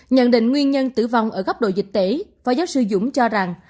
nhận định nguyên nhân tử vong ở góc độ dịch tễ phó giáo sư dũng cho rằng